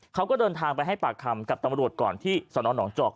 เขาก็เดินทางไปให้ปากคำกับตำรวจก่อนที่สนหนองจอก